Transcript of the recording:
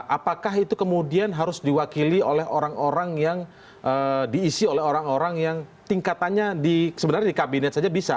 apakah itu kemudian harus diwakili oleh orang orang yang diisi oleh orang orang yang tingkatannya di sebenarnya di kabinet saja bisa